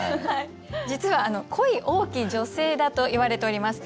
実は恋多き女性だといわれております。